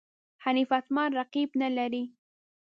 حنیف اتمر رقیب نه لري.